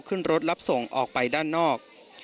ขึ้นรถรับส่งออกไปด้านนอก